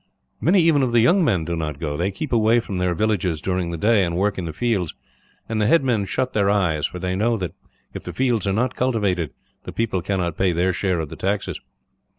"Many even of the young men do not go. They keep away from their villages during the day, and work in the fields; and the headmen shut their eyes, for they know that if the fields are not cultivated, the people cannot pay their share of the taxes.